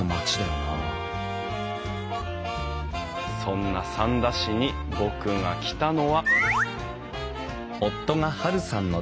そんな三田市に僕が来たのは。